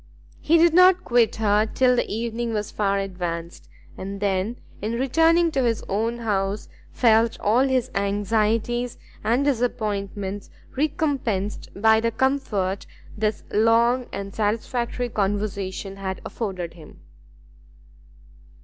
He did not quit her till the evening was far advanced, and then, in returning to his own house, felt all his anxieties and disappointments recompensed by the comfort this long and satisfactory conversation had afforded him.